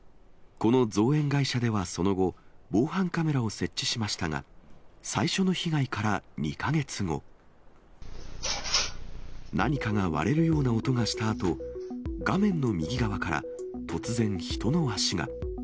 この造園会社ではその後、防犯カメラを設置しましたが、最初の被害から２か月後、何かが割れるような音がしたあと、画面の右側から突然、人の足が。